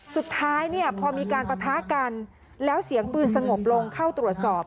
สุดท้ายเนี่ยพอมีการปะทะกันแล้วเสียงปืนสงบลงเข้าตรวจสอบ